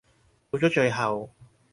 到咗最後